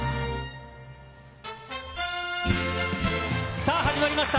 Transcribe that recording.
さぁ、始まりました。